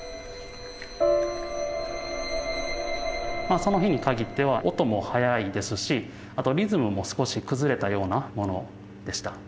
その日にかぎっては音も早いですしリズムも少し崩れたようなものでした。